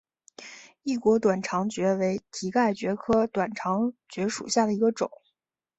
异果短肠蕨为蹄盖蕨科短肠蕨属下的一个种。